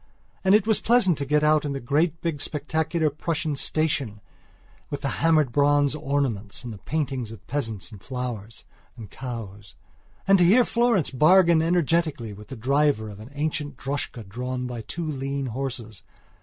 And it was pleasant to get out in the great big spectacular Prussian station with the hammered bronze ornaments and the paintings of peasants and flowers and cows; and to hear Florence bargain energetically with the driver of an ancient droschka drawn by two lean horses.